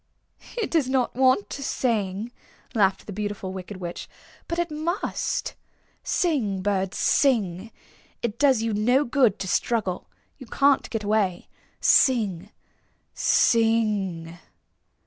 "It does not want to sing," laughed the Beautiful Wicked Witch; "but it must. Sing, bird, sing! It does you no good to struggle. You can't get away. Sing, sing!"